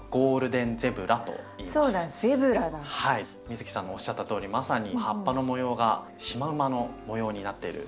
美月さんのおっしゃったとおりまさに葉っぱの模様がシマウマの模様になっている。